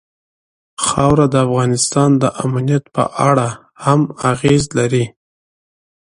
خاوره د افغانستان د امنیت په اړه هم اغېز لري.